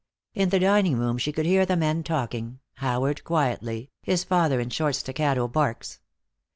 In the dining room she could hear the men talking, Howard quietly, his father in short staccato barks.